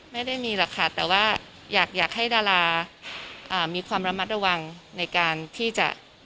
ไม่ได้มีหรอกค่ะแต่ว่าอยากให้ดารามีความระมัดระวังในการที่จะ